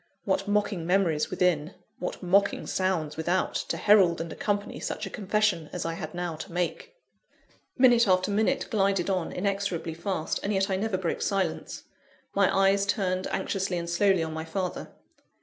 What mocking memories within, what mocking sounds without, to herald and accompany such a confession as I had now to make! Minute after minute glided on, inexorably fast; and yet I never broke silence. My eyes turned anxiously and slowly on my father.